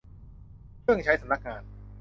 เครื่องใช้สำนักงาน